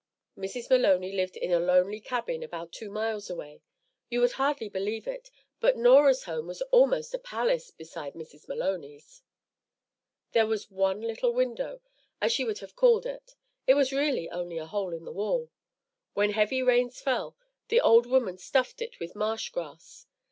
Mrs. Maloney lived in a lonely cabin about two miles away. You would hardly believe it, but Norah's home was almost a palace beside Mrs. Maloney's. There was one little window, as she would have called it. It was really only a hole in the wall. When heavy rains fell, the old woman stuffed it with marsh grass.